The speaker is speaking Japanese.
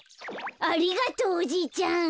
ありがとうおじいちゃん。